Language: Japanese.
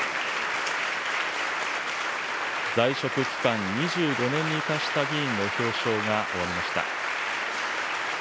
在職期間２５年に達した議員の表彰が終わりました。